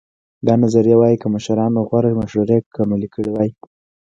دا نظریه وایي که مشرانو غوره مشورې عملي کړې وای.